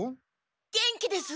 元気です。